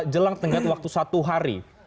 jelang tenggat waktu satu hari